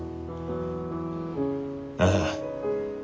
ああ。